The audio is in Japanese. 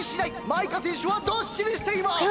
マイカせんしゅはどっしりしています！